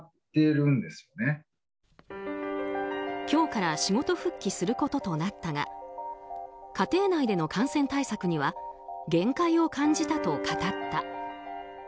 今日から仕事復帰することとなったが家庭内での感染対策には限界を感じたと語った。